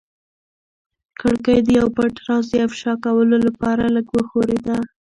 کړکۍ د یو پټ راز د افشا کولو لپاره لږه وښورېده.